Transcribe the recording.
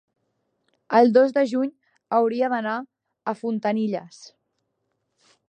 el dos de juny hauria d'anar a Fontanilles.